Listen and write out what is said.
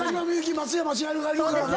松山千春がいるからな。